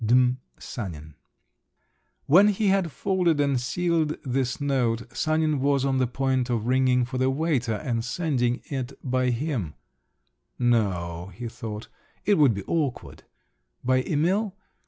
"DM. SANIN." When he had folded and sealed this note, Sanin was on the point of ringing for the waiter and sending it by him…. "No!" he thought, "it would be awkward…. By Emil?